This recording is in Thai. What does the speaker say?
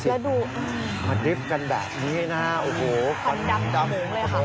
เยอะแล้วดูสิมาดริฟต์กันแบบนี้นะโอ้โฮความดำเลยครับ